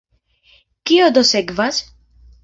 Kio do sekvas?